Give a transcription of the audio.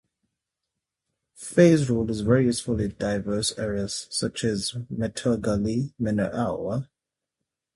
Phase rule is very useful in diverse areas, such as metallurgy, mineralogy, and petrology.